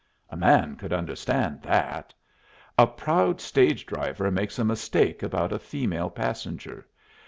A man could understand that. A proud stage driver makes a mistake about a female passenger.